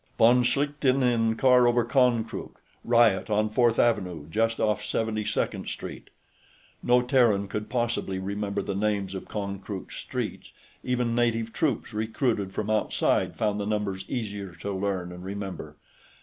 "Von Schlichten, in car over Konkrook. Riot on Fourth Avenue, just off Seventy second Street." No Terran could possibly remember the names of Konkrook's streets; even native troops recruited from outside found the numbers easier to learn and remember.